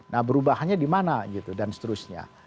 nah perubahannya dimana gitu dan seterusnya